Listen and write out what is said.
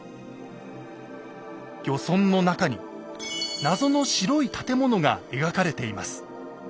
漁村の中に謎の白い建物が描かれています。